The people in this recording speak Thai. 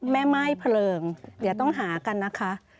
แม่ไหม้เผลิงอย่าต้องหากันนะคะ